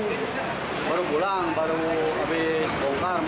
terus saya kan baru pulang baru habis bongkar